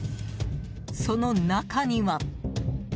その中には。